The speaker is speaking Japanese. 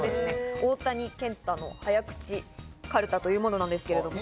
大谷健太の早口かるたというものなんです。